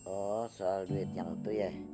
oh soal duit yang itu ya